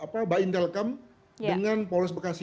mbak intel kam dengan polres bekasi